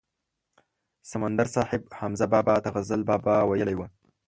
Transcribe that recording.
سمندر صاحب حمزه بابا ته غزل بابا ویلی و.